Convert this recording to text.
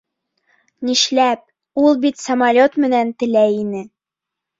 Нишләп? Ул бит самолет менән теләй ине